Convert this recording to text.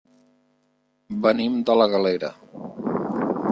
Venim de la Galera.